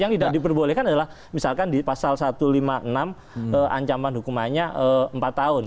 yang tidak diperbolehkan adalah misalkan di pasal satu ratus lima puluh enam ancaman hukumannya empat tahun